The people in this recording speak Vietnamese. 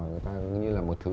người ta như là một thứ